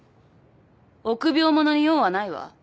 臆病者に用はないわ。